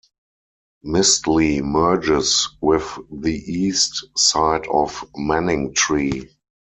Mistley merges with the east side of Manningtree.